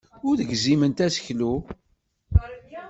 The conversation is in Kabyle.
Ur gziment aseklu.